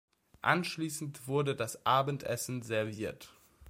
Anschließend wurde das Abendessen serviert.